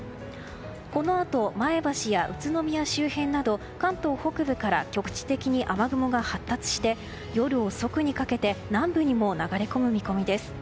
このあと前橋や宇都宮周辺など関東北部から局地的に雨雲が発達して夜遅くにかけて南部にも流れ込む見込みです。